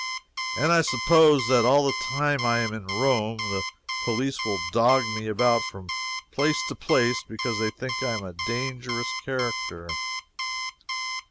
And I suppose that all the time I am in Rome the police will dog me about from place to place because they think I am a dangerous character.